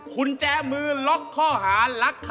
คุณแจมือล็อกท่อหารรักถ๑๕๐๐